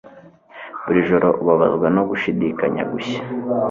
Buri joro ubabazwa no gushidikanya gushya